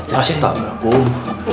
masih tau gak kum